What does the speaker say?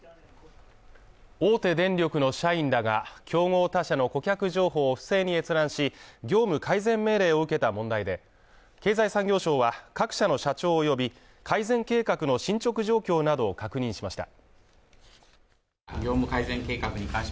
大手電力の社員らが、競合他社の顧客情報を不正に閲覧し、業務改善命令を受けた問題で、経済産業省は、各社の社長を呼び改善計画の進捗状況などを確認しました。